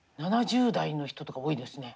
７０代の人とか多いですね。